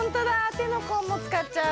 手の甲もつかっちゃう。